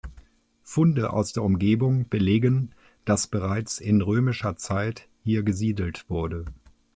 Funde aus der Umgebung belegen, dass bereits in römischer Zeit hier gesiedelt wurde.